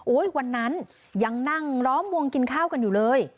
วันนั้นยังนั่งล้อมวงกินข้าวกันอยู่เลย